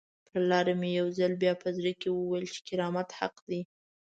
پر لاره مې یو ځل بیا په زړه کې وویل چې کرامت حق دی.